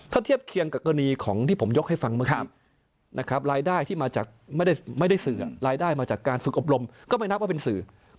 ถ้าเทียบเคียงกับกรณีของที่ผมยกให้ฟังเมื่อกี้นะครับรายได้ที่มาจากไม่ได้สื่อรายได้มาจากการฝึกอบรมก็ไม่นับว่าเป็นสื่อ